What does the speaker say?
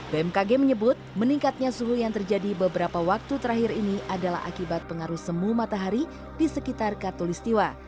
bmkg menyebut meningkatnya suhu yang terjadi beberapa waktu terakhir ini adalah akibat pengaruh semu matahari di sekitar katolistiwa